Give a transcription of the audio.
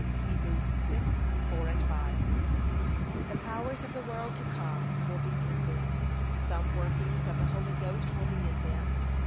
(Heb 6:4,5) The powers of the world to come will be in them. Some workings of the Holy Ghost will be in them.